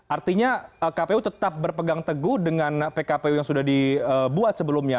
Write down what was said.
artinya kpu tetap berpegang teguh dengan pkpu yang sudah dibuat sebelumnya